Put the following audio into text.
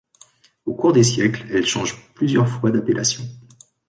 Au cours des siècles, elle change plusieurs fois d'appellation.